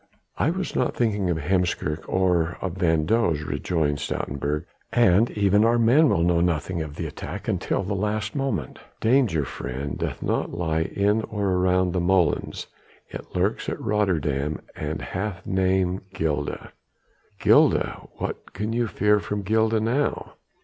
"I was not thinking of Heemskerk or of van Does," rejoined Stoutenburg, "and even our men will know nothing of the attack until the last moment. Danger, friend, doth not lie in or around the molens; it lurks at Rotterdam and hath name Gilda." "Gilda! What can you fear from Gilda now?"